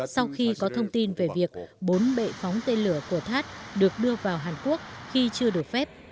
sau khi có thông tin về việc bốn bệ phóng tên lửa của tháp được đưa vào hàn quốc khi chưa được phép